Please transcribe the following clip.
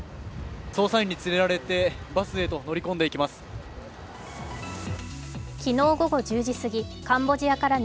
捜査員に連れられてバスへと乗り込んでいきます。